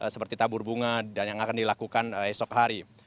seperti tabur bunga dan yang akan dilakukan esok hari